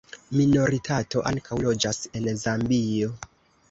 Minoritato ankaŭ loĝas en Zambio.